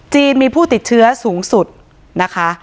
จีนมีผู้ติดเชื้อสูงสุดนะคะ